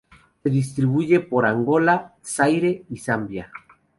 Se distribuye por Angola, Zaire y Zambia.